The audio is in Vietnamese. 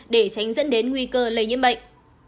để tránh dẫn đến nguy cơ lây nhiễm bệnh